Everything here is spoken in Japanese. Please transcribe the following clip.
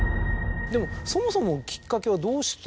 そもそもきっかけは。